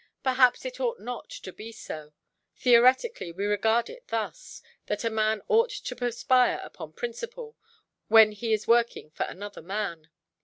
Perhaps it ought not to be so. Theoretically, we regard it thus, that a man ought to perspire, upon principle, when he is working for another man.